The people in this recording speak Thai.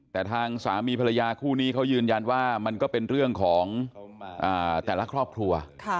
แต่ทางสามีภรรยาคู่นี้เขายืนยันว่ามันก็เป็นเรื่องของแต่ละครอบครัว